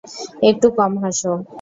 একটু কম হাসো।